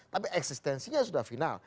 tapi eksistensinya sudah final